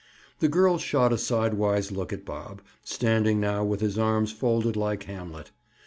The girl shot a sidewise look at Bob, standing now with his arms folded like Hamlet.